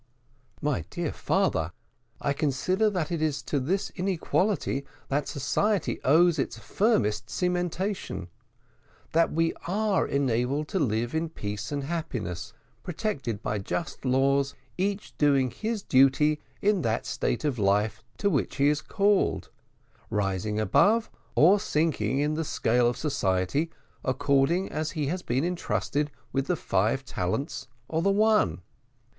"My dear father, I consider that it is to this inequality that society owes its firmest cementation, that we are enabled to live in peace and happiness, protected by just laws, each doing his duty in that state of life to which he is called, rising above or sinking in the scale of society according as he has been entrusted with the five talents or the one.